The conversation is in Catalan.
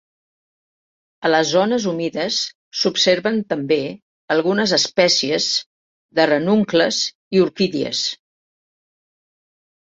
A les zones humides s'observen també algunes espècies de ranuncles i orquídies.